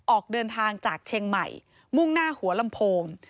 ออกเดินทางจากเชียงใหม่มุ่งหน้าหัวลำโพง